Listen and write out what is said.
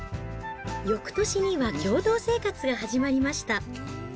よくとしには共同生活が始まりました。